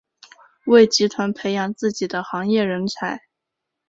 为集团培养自己的行业人才。